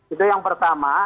itu yang pertama